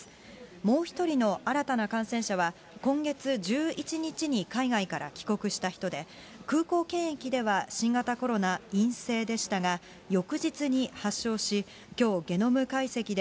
もう１人の新たな感染者は、今月１１日に海外から帰国した人で、空港検疫では新型コロナ陰性でしたが、翌日に発症し、きょうゲノム解析で、